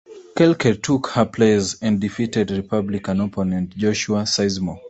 Kelker took her place and defeated Republican opponent Joshua Sizemore.